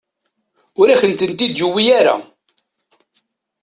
Ur akent-tent-id-yuwi ara.